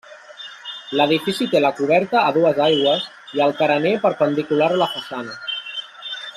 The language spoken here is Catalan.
L'edifici té la coberta a dues aigües i el carener perpendicular a la façana.